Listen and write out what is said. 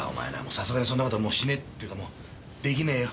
さすがにそんな事しねえっていうかもうできねえよ。